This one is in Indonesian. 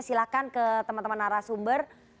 silahkan ke teman teman arah sumber